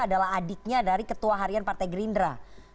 adalah adiknya dari ketua harian partai gerindra